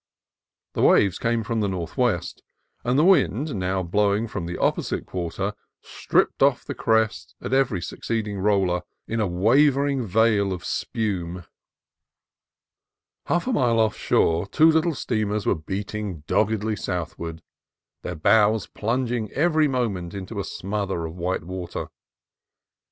The waves came from the northwest, and the wind, now blowing from the op posite quarter, stripped off the crest of each succeed ing roller in a wavering veil of spume. Half a mile offshore two little steamers were beating doggedly A GALE AND A FINE SEA 265 southward, their bows plunging every moment into a smother of white water.